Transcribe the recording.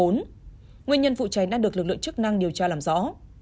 nguyên nhân vụ cháy đang được lực lượng chức năng điều tra làm rõ